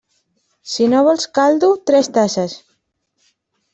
Si no vols caldo, tres tasses.